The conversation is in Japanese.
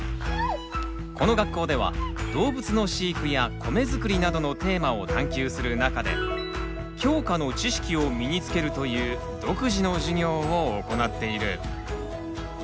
この学校では動物の飼育や米作りなどのテーマを探究する中で教科の知識を身につけるという独自の授業を行っている。